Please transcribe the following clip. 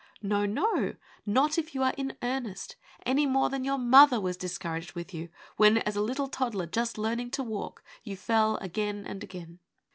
No, no, not if you are in earnest, any more than your mother was discouraged with you when, as a little toddler just learning to walk, you fell again and again.